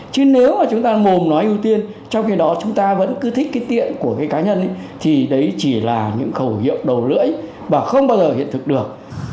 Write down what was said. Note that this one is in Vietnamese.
chứ nếu mà chúng ta mồm nói ưu tiên trong khi đó chúng ta vẫn cứ thích cái tiện của cái cá nhân thì đấy chỉ là những khẩu hiệu đầu lưỡi và không bao giờ hiện thực được